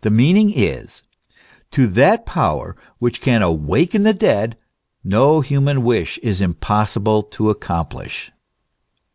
The meaning is : to that power which can awaken the dead, no human wish is impossible to accomplish.